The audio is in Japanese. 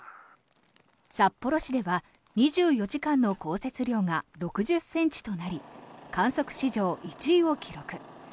札幌市では２４時間の降雪量が６０ｃｍとなり観測史上１位を記録。